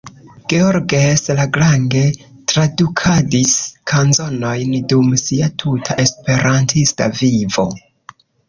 Georges Lagrange tradukadis kanzonojn dum sia tuta Esperantista vivo.